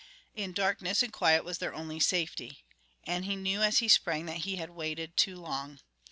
In darkness and quiet was their only safety. And he knew as he sprang that he had waited too long.